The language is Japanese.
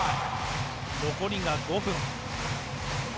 残りが５分。